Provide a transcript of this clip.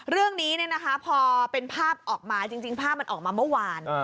เรื่องนี้พอเป็นภาพออกมาจริงภาพมันออกมาเมื่อวาน